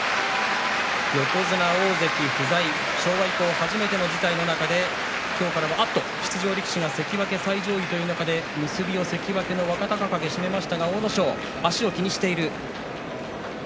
横綱大関不在昭和以降、初めての事態の中で今日から出場力士、関脇が最上位という中で結びを若隆景、締めましたが阿武咲が足を気にしている。